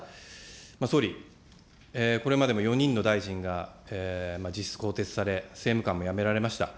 総理、これまでも４人の大臣が実質更迭され、政務官も辞められました。